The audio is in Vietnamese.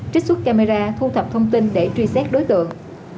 trích xuất camera thu thập thông tin để truy xét đối tượng